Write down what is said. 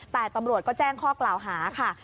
แต่ตำรวจก็แจ้งข้อกล่าวหาค่ะ